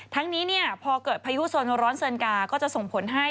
ทั้งนี้พอเกิดพายุโซนร้อนเซินกาก็จะส่งผลให้